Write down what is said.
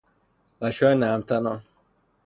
غشاء نرم تنان